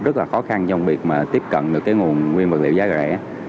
rất là khó khăn trong việc mà tiếp cận được cái nguồn nguyên vật liệu giá rẻ